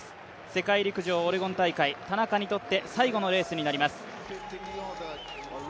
世界陸上オレゴン大会田中にとって最後のレースになります。